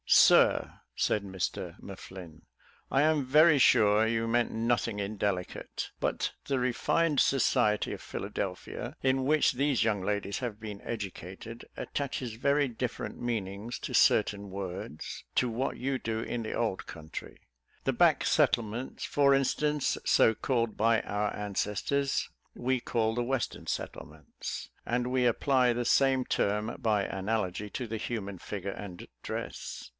"Sir," said Mr M'Flinn, "I am very sure you meant nothing indelicate; but the refined society of Philadelphia, in which these young ladies have been educated, attaches very different meanings to certain words, to what you do in the old country. The back settlements, for instance, so called by our ancestors, we call the western settlements, and we apply the same term, by analogy, to the human figure and dress.